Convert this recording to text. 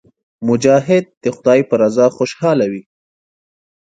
مجاهد د خدای په رضا خوشاله وي.